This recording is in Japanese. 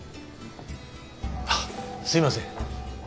あっすいません。